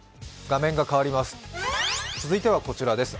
続いてはこちらです。